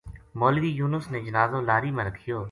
مولوی یونس نے جنازو لاری ما رکھیو